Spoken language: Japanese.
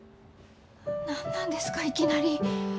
何なんですかいきなり。